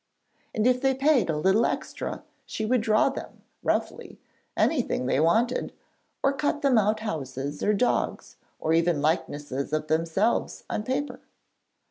And if they paid a little extra she would draw them, roughly, anything they wanted; or cut them out houses or dogs, or even likenesses of themselves on paper.